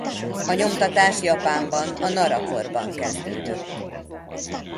A nyomtatás Japánban a Nara-korban kezdődött.